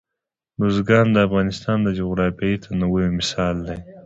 بزګان د افغانستان د جغرافیوي تنوع یو مثال دی.